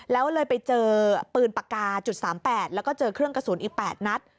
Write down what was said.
แล้วเลยไปเจอปืนปากกา๓๘แล้วก็เจอเครื่องกระสุนอีก๘นัด